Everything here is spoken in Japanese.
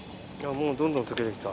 もうどんどん溶けて来た。